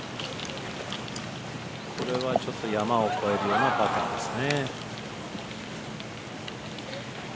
これは山を越えるようなパターですね。